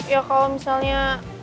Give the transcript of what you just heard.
ya kalau misalnya